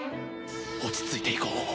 落ち着いていこう。